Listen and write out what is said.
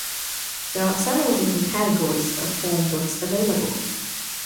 There are several different categories of form books available.